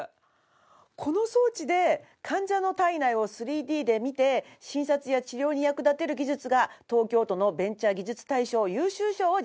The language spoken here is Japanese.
この装置で患者の体内を３Ｄで見て診察や治療に役立てる技術が東京都のベンチャー技術大賞優秀賞を受賞しました。